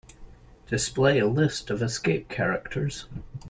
Display a list of escape characters.